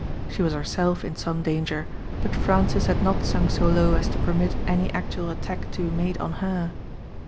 She was herself in some danger, but Francis had not sunk so low as to permit any actual attack to be made on her.